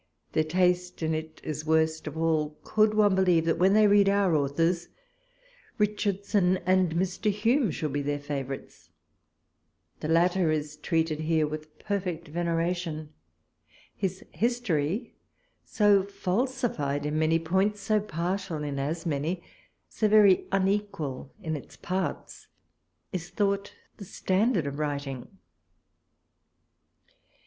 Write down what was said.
Their taste in it is worst of all : could one be lieve that when they read our authors, Richard son and Mr. Hume should be their favourites'? The latter is treated here with perfect venera tion. His History, so falsified in many points, so partial in as many, so very unequal in its parts, is thought the standard of writing.